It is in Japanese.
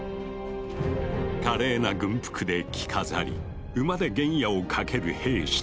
華麗な軍服で着飾り馬で原野を駆ける兵士たち。